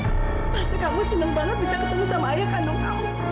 pasti kamu senang banget bisa ketemu sama ayah kandung kamu